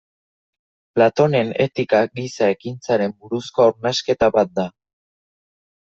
Platonen etika giza-ekintzaren buruzko hausnarketa bat da.